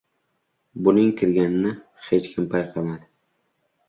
Buning kirganini hech kim payqamadi.